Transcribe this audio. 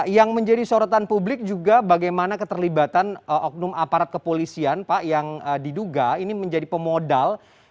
yang menjadi sorotan publik juga bagaimana keterlibatan oknum aparat kepolisian pak yang diduga ini menjadi pemodal